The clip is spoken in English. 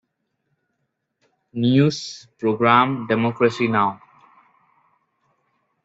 News program Democracy Now!